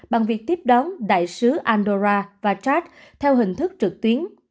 bằng việc tiếp đón đại sứ andorra và charles theo hình thức trực tuyến